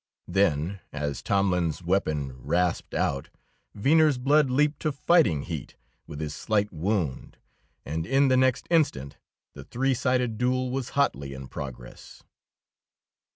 Then, as Tomlin's weapon rasped out, Venner's blood leaped to fighting heat with his slight wound, and in the next instant the three sided duel was hotly in progress.